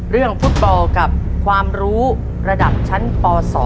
เรื่องฟุตบอลกับความรู้ระดับชั้นป๒